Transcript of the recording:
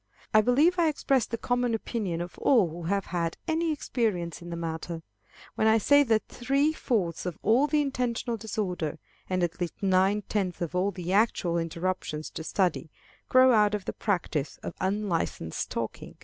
I believe I express the common opinion of all who have had any experience in the matter, when I say that three fourths of all the intentional disorder, and at least nine tenths of all the actual interruptions to study, grow out of the practice of unlicensed talking.